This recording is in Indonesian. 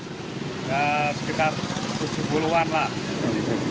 ya sekitar tujuh puluh an lah